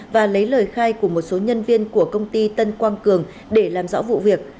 và lấy lời khai của một số nhân viên của công ty tân quang cường để làm rõ vụ việc